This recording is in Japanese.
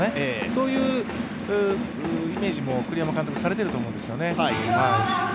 そういうイメージも栗山監督、されていると思うんですよね。